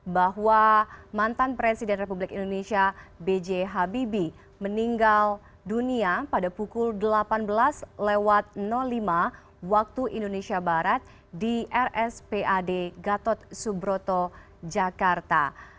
bahwa mantan presiden republik indonesia b j habibie meninggal dunia pada pukul delapan belas lima waktu indonesia barat di rspad gatot subroto jakarta